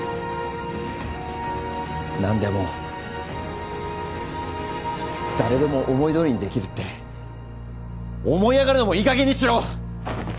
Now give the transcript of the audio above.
何でも誰でも思いどおりにできるって思い上がるのもいいかげんにしろ！